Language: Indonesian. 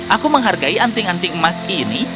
aku menghargai anting anting emas ini